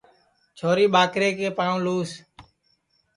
چھوری ٻاکرے پاںٚو لُس